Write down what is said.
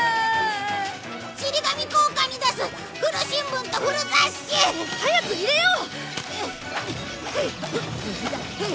ちり紙交換に出す古新聞と古雑誌。早く入れよう！